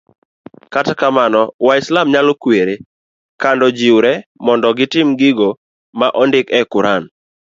kata kamano, waislam nyalo kuerre kando jiwre mondo gitim gigo ma ondik e Quran